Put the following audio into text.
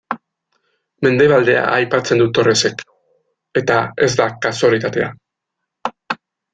Mendebaldea aipatzen du Torresek, eta ez da kasualitatea.